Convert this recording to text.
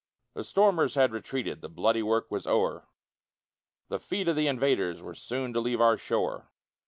The stormers had retreated, The bloody work was o'er; The feet of the invaders Were soon to leave our shore.